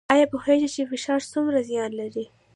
ایا پوهیږئ چې فشار څومره زیان لري؟